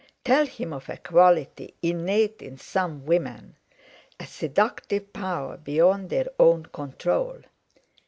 Tell him of a quality innate in some women—a seductive power beyond their own control!